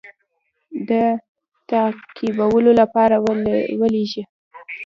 د تعقیبولو لپاره ولېږي.